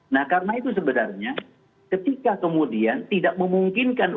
nah karena itu sebenarnya ketika kemudian tidak memungkinkan